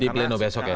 di pleno besok ya